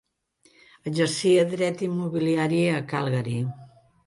Exercia dret immobiliari a Calgary.